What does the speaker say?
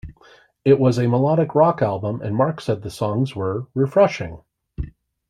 It was a melodic rock album and Marc said the songs were "refreshing".